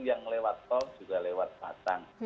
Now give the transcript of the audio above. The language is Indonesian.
yang lewat tol juga lewat batang